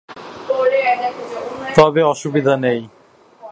তবে অসুবিধা নেই।